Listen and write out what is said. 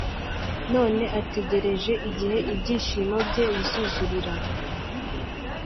none ategereje igihe ibyishimo bye bizuzurira